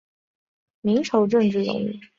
明朝政治人物。